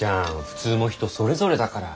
普通も人それぞれだから。